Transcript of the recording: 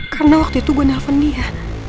karena waktu itu gue nelfon dia